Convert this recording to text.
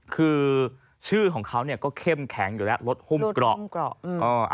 คือชื่อของเขาเนี่ยก็เข้มแข็งอยู่แล้วรถหุ้มเกราะ